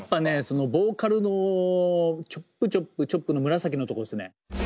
そのボーカルのチョップチョップチョップの紫のとこですね。